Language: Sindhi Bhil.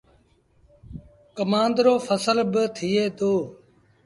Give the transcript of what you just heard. ڪمآݩد رو ڦسل با ٿئي دو۔